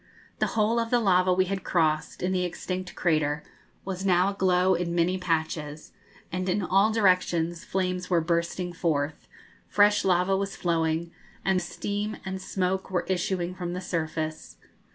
The whole of the lava we had crossed, in the extinct crater, was now aglow in many patches, and in all directions flames were bursting forth, fresh lava was flowing, and steam and smoke were issuing from the surface.